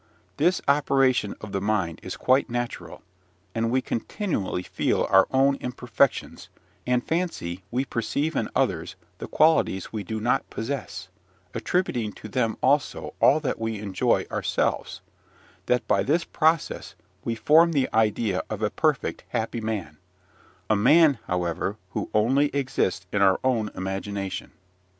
This operation of the mind is quite natural: we so continually feel our own imperfections, and fancy we perceive in others the qualities we do not possess, attributing to them also all that we enjoy ourselves, that by this process we form the idea of a perfect, happy man, a man, however, who only exists in our own imagination.